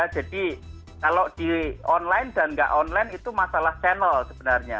jadi kalau di online dan nggak online itu masalah channel sebenarnya